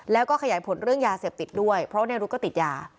แล้วก็ขยายผลเรื่องยาเสพติดด้วยเพราะในรุ๊ดก็ติดยา